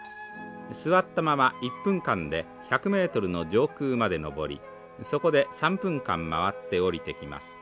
座ったまま１分間で１００メートルの上空まで上りそこで３分間回って下りてきます。